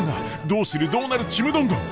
どうするどうなるちむどんどん！